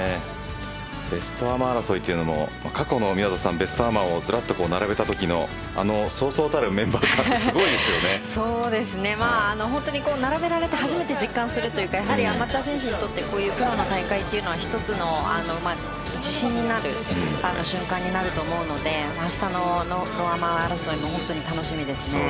ベストアマ争いというのも過去も、宮里さんずらっと並べたときのそうそうたるメンバーは本当に並べられて初めて実感するというかアマチュア選手にとってこういうプロの大会は一つの自信になる瞬間になると思うので明日のアマ争いも本当に楽しみですね。